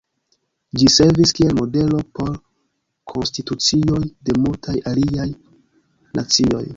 Ĝi servis kiel modelo por konstitucioj de multaj aliaj nacioj.